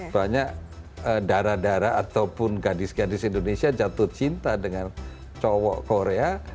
banyak darah darah ataupun gadis gadis indonesia jatuh cinta dengan cowok korea